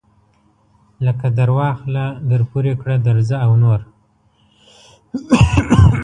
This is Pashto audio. لکه درواخله درپورې کړه درځه او نور.